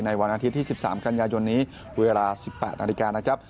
วันอาทิตย์ที่๑๓กันยายนนี้เวลา๑๘นาฬิกานะครับ